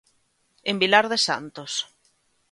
En Vilar de Santos.